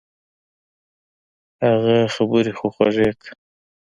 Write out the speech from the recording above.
اگه خبرې خو خوږې که.